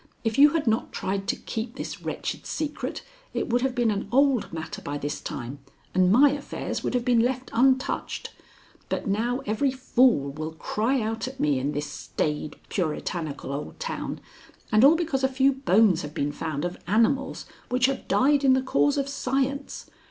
If you had not tried to keep this wretched secret, it would have been an old matter by this time, and my affairs would have been left untouched. But now every fool will cry out at me in this staid, puritanical old town, and all because a few bones have been found of animals which have died in the cause of science.